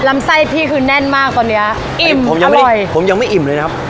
ลำไส้พี่คือแน่นมากตอนเนี้ยอิ่มผมยังไม่ผมยังไม่อิ่มเลยนะครับ